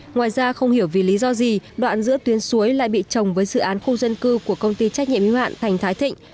ngoài ra không hiểu vì lý do gì đoạn giữa tuyến suối lại bị trồng với dự án khu dân cư của công ty trách nhiệm yếu hạn thành thái thịnh